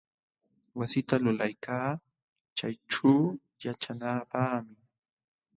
Wasita lulaykaa chayćhuu yaćhanaapaqmi.